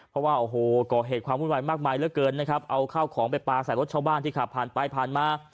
เพราะว่าโอ้โหก่อเหตุความวุ่นวายมากมายเหลือเกินนะครับเอาข้าวของไปปลาใส่รถชาวบ้านที่ขับผ่านไปผ่านมา